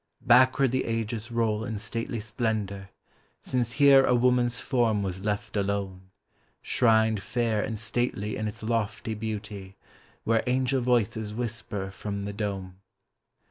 Backward the ages roll in stately splendor Since here a woman's form was left alone, Shrined fair and stately in its lofty beauty Where angel voices whisper from the dome.